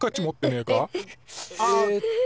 えっと。